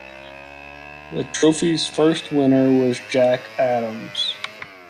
The trophy's first winner was Jack Adams.